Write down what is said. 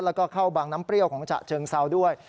แล้วก็เข้าบางน้ำเปรี้ยวของฉะเชิงเซาด้วย